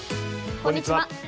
こんにちは。